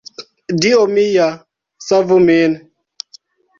"Dio mia, savu min!"